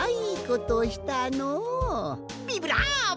ビブラーボ！